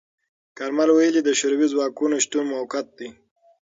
کارمل ویلي، د شوروي ځواکونو شتون موقت دی.